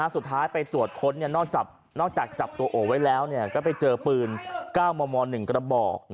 สุดท้ายไปตรวจค้นนอกจากจับตัวโอไว้แล้วก็ไปเจอปืน๙มม๑กระบอก